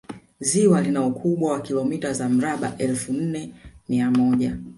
ziwa lina ukubwa wa kilomita za mraba elfu nne mia moja